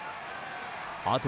あと